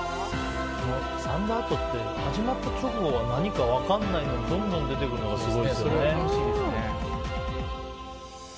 サンドアートって始まった直後は何か分からないのにどんどん出てくるのがすごいですよね。